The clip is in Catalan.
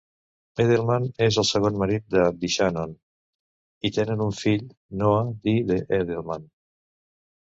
Edelman és el segon marit de DeShannon i tenen un fill, Noah D. Edelman.